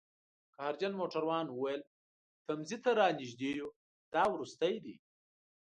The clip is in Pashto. قهرجن موټروان وویل: تمځي ته رانژدي یوو، دا وروستی دی